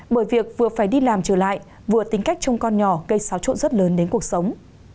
bởi việc vừa phải đi làm trở lại vừa tính cách trông con nhỏ gây xáo trộn rất lớn đến cuộc sống